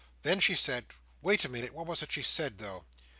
Then she said—wait a minute; what was it she said, though!"